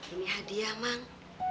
ini hadiah emang